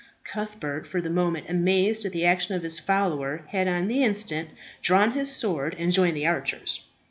Cuthbert, for the moment amazed at the action of his follower, had on the instant drawn his sword and joined the archers.